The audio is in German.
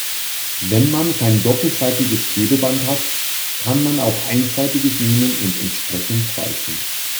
Wenn man kein doppelseitiges Klebeband hat, kann man auch einseitiges nehmen und entsprechend falten.